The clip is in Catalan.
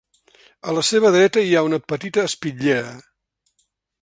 A la seva dreta, hi ha una petita espitllera.